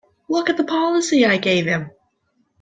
Look at the policy I gave him!